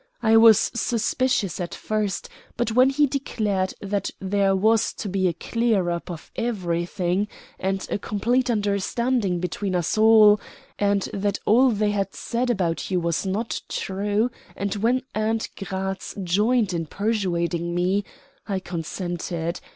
I was suspicious at first; but when he declared that there was to be a clear up of everything and a complete understanding between us all, and that all they had said about you was not true, and when aunt Gratz joined in persuading me, I consented.